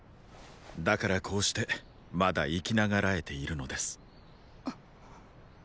だからこうしてまだ生きながらえているのです。